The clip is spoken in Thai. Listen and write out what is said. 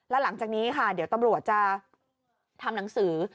แล้วหลังจากนี้ค่ะเดี๋ยวตำรวจจะทำหนังสือ